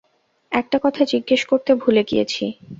একটা কথা জিজ্ঞেস করতে ভুলে গিয়েছি।